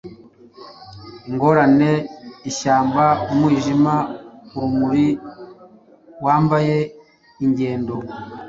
Ingorane, ishyamba, Umwijima, urumuri, wambaye ingendo,